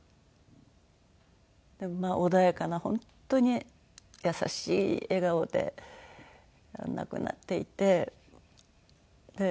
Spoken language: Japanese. まあ穏やかな本当に優しい笑顔で亡くなっていて。